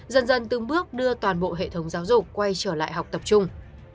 dần dần từng bước đưa toàn bộ hệ thống giáo dục quay trở lại học tập trung